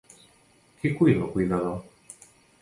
Qui cuida al cuidador?.